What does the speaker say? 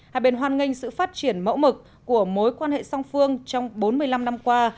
hai bên hoan nghênh sự phát triển mẫu mực của mối quan hệ song phương trong bốn mươi năm năm qua